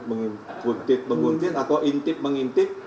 mengutip menguntit atau intip mengintip